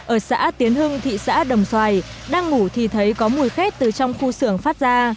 ở xã tiến hưng thị xã đồng xoài đang ngủ thì thấy có mùi khét từ trong khu xưởng phát ra